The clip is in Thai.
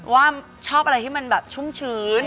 ว่าชอบอะไรที่มันแบบชุ่มชื้น